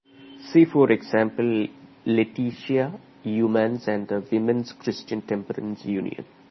See for example Letitia Youmans and the Women's Christian Temperance Union.